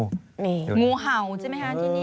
นี่งูเห่าใช่ไหมคะที่นี่